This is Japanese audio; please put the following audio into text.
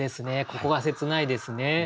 ここが切ないですね。